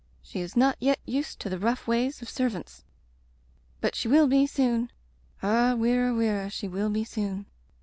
She is not yet used to the rough ways of servants. ... "But she will be soon. Ah, wirra, wirra, she will be soon.